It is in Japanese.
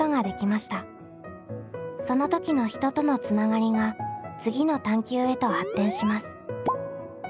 その時の人とのつながりが次の探究へと発展します。